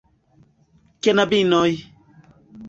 Knabinoj!